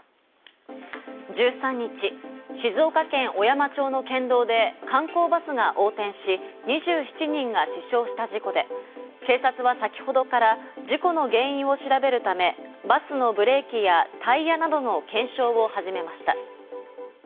１３日、静岡県小山町の県道で観光バスが横転し、２７人が死傷した事故で警察は先ほどから事故の原因を調べるためバスのブレーキやタイヤなどの検証を始めました。